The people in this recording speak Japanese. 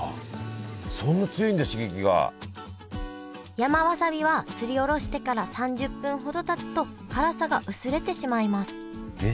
山わさびはすりおろしてから３０分ほどたつと辛さが薄れてしまいますえっ！？